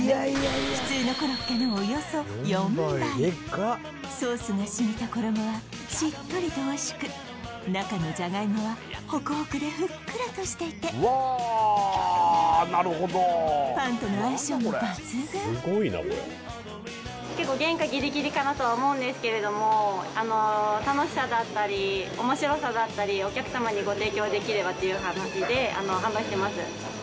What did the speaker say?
普通のコロッケのおよそ４倍ソースがしみた衣はしっとりとおいしく中のジャガイモはホクホクでふっくらとしていてパンとの相性も抜群結構原価ギリギリかなとは思うんですけれども楽しさだったり面白さだったりをお客様にご提供できればっていう話で販売してます